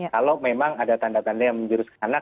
kalau memang ada tanda tanda yang menjuruskan anak